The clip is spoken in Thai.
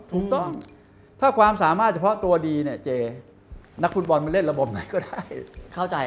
ถูกต้องถ้าความสามารถเฉพาะตัวดีเนี่ยเจนักฟุตบอลมาเล่นระบบไหนก็ได้เข้าใจ